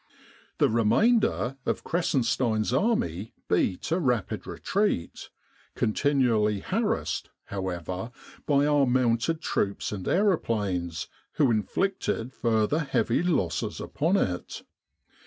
The remainder of Kressenstein's army beat a rapid retreat, continually harassed, however, by our mounted troops and aeroplanes, who inflicted further heavy losses upon it.